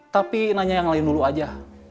tapi nanya yang lain dulu aja